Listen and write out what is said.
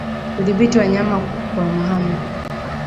Kudhibiti wanyama kuhamahama